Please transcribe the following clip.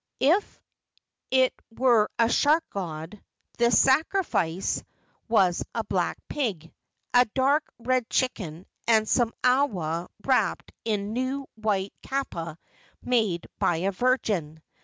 If it were a shark god, the sacrifice was a black pig, a dark red chicken, and some awa wrapped in new white kapa made by a virgin.